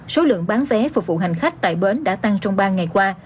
số lượng bán vé phục vụ hành khách tại bến đã tăng trong ba ngày qua